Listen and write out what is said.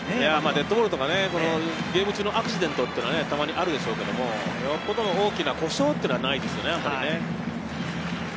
デッドボールとかゲーム中のアクシデントはたまにあるでしょうけど、大きな故障はないですよね、あんまりね。